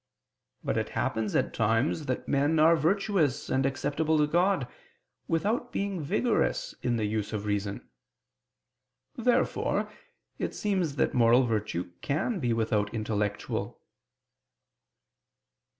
But it happens at times that men are virtuous and acceptable to God, without being vigorous in the use of reason. Therefore it seems that moral virtue can be without intellectual.